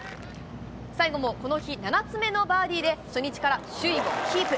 最後もこの日７つ目のバーディーで初日から首位をキープ。